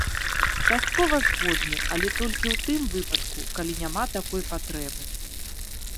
Часткова згодны, але толькі ў тым выпадку, калі няма такой патрэбы.